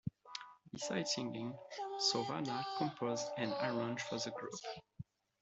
Besides singing, Savona composed and arranged for the group.